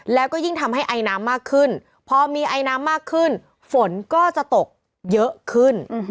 แล้วก็ยิ่งทำให้ไอน้ำมากขึ้นพอมีไอน้ำมากขึ้นฝนก็จะตกเยอะขึ้น